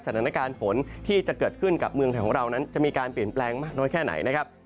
สถานการณ์ฝนที่จะเกิดขึ้นกับเมืองไทยของเรานั้นจะมีการเปลี่ยนแปลงมากน้อยแค่ไหนนะครับ